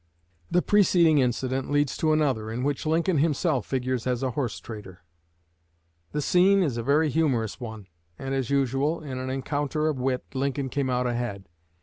The preceding incident leads to another, in which Lincoln himself figures as a horse trader. The scene is a very humorous one; and, as usual in an encounter of wit, Lincoln came out ahead.